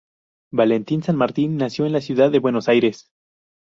Valentín San Martín nació en la ciudad de Buenos Aires.